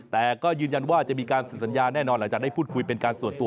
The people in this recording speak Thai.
แต่ก็ยืนยันว่าจะมีการสื่อสัญญาแน่นอนหลังจากได้พูดคุยเป็นการส่วนตัว